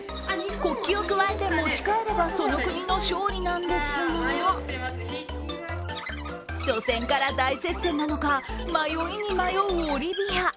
国旗をくわえて持ち帰ればその国の勝利なんですが初戦から大接戦なのか、迷いに迷うオリビア。